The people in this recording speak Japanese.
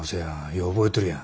よう覚えとるやん。